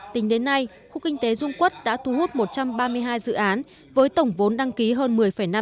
tính đến nay khu kinh tế dung quốc đã thu hút một trăm ba mươi hai dự án với tổng vốn đăng ký hơn một mươi năm tỷ usd